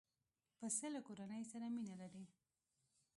پسه له کورنۍ سره مینه لري.